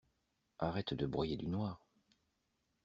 Arrête de broyer du noir!